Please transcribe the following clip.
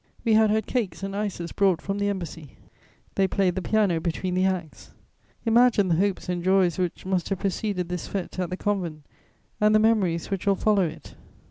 We had had cakes and ices brought from the Embassy. They played the piano between the acts. Imagine the hopes and joys which, must have preceded this fête at the convent, and the memories which will follow it!